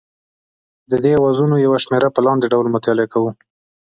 د دې اوزارونو یوه شمېره په لاندې ډول مطالعه کوو.